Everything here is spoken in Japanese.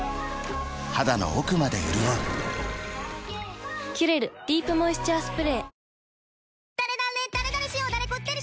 肌の奥まで潤う「キュレルディープモイスチャースプレー」